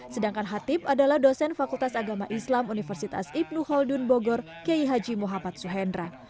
sedangkan hatip adalah dosen fakultas agama islam universitas ibnu khaldun bogor k h muhammad suhenra